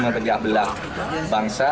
mempejah belah bangsa